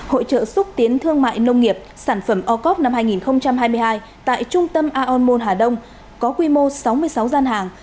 hội trợ xúc tiến thương mại nông nghiệp sản phẩm ocop năm hai nghìn hai mươi hai tại trung tâm aonmon hà đông có quy mô sáu mươi sáu gian hàng